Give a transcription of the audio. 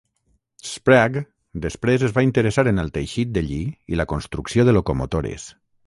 Sprague després es va interessar en el teixit de lli i la construcció de locomotores.